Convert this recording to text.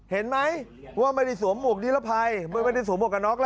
เห็นไหมว่าไม่ได้สวมหมวกนิรภัยไม่ได้สวมหวกกันน็อกล่ะ